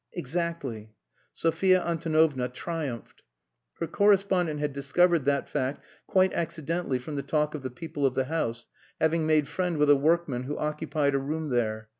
"Exactly." Sophia Antonovna triumphed. Her correspondent had discovered that fact quite accidentally from the talk of the people of the house, having made friends with a workman who occupied a room there.